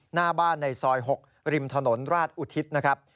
หน้าบ้านในซอย๖ริมถนนราชอุทิศนะครับ